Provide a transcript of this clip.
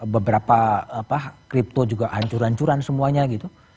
beberapa apa kripto juga hancuran hancuran semuanya gitu